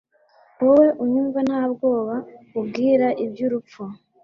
Wowe unyumva nta bwoba nkubwira iby'urupfu